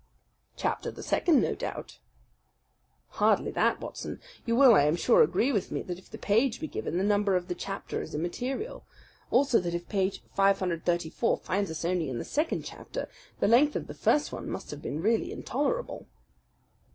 "Chapter the second, no doubt." "Hardly that, Watson. You will, I am sure, agree with me that if the page be given, the number of the chapter is immaterial. Also that if page 534 finds us only in the second chapter, the length of the first one must have been really intolerable."